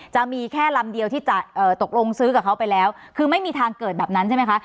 จะมีแค่ลำเดียวที่จะตกลงซื้อกับเขาไปแล้วคือไม่มีทางเกิดแบบนั้นใช่ไหมคะ